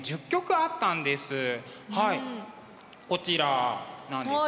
はいこちらなんですね。